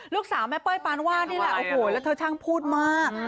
ลูกสาวแม่เป้ยปานวาดนี่แหละโอ้โหแล้วเธอช่างพูดมาก